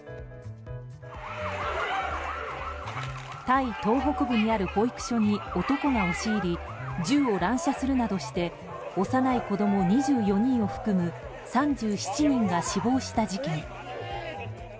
タイ東北部にある保育所に男が押し入り銃を乱射するなどして幼い子供２４人を含む３７人が死亡した事件。